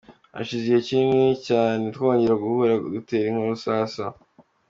Hashize igihe kinini cyane twongera guhura dutera inkuru sasa.